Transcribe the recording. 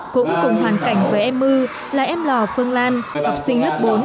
cũng cùng hoàn cảnh với em mưu là em lò phương lan học sinh lớp bốn